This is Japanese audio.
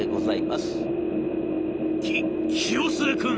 「き清末君！